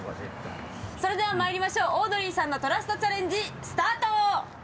それではまいりましょうオードリーさんの「トラストチャレンジ」スタート！